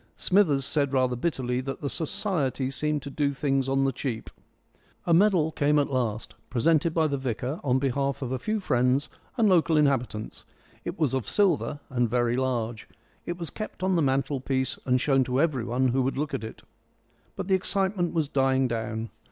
Smithers said rather bitterly that the Society seemed to do things on the cheap. A medal came at last, presented by the vicar on behalf of a few friends and local inhabitants. It was of silver and very large. It was kept on the mantelpiece and shown to everybody who would look at it. But the excitement was dying down.